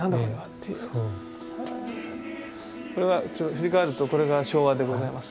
振り返るとこれが昭和でございます。